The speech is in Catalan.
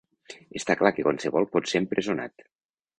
Està clar que qualsevol pot ser empresonat.